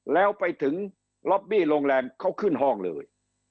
แล้วไปถึงล็อบบี้โรงแรมเขาขึ้นห้องเลย